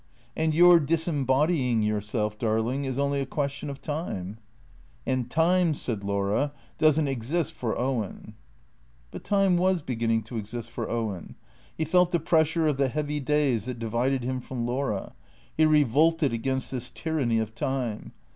" And your disembodying yourself, darling, is only a question of time." " And time," said Laura, " does n't exist for Owen." But time was beginning to exist for Owen. He felt the pressure of the heavy days that divided him from Laura. He revolted against this tyranny of time.